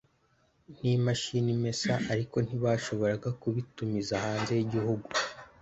n imashini imesa ariko ntibashoboraga kubitumiza hanze y igihugu